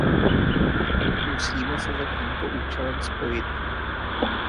Musíme se za tímto účelem spojit.